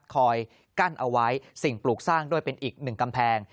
คอยกั้นเอาไว้สิ่งปลูกสร้างด้วยเป็นอีกหนึ่งกำแพง